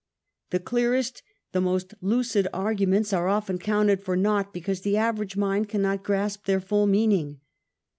The clearest /the most lucid arguments are often counted for naught because the average mind cannot grasp xheir full meaning.